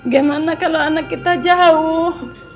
gimana kalau anak kita jauh